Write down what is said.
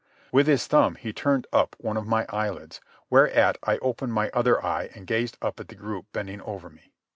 With his thumb he turned up one of my eyelids, whereat I opened my other eye and gazed up at the group bending over me.